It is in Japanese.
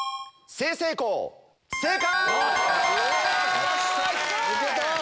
正解！